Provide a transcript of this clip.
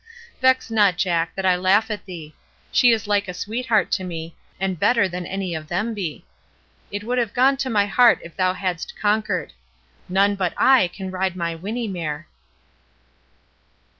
Vex not, Jack, that I laugh at thee. She is like a sweetheart to me, and better than any of them be. It would have gone to my heart if thou hadst conquered. None but I can ride my Winnie mare." R. D. BLACKMORE: "Lorna Doone."